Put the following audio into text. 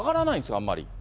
あんまり。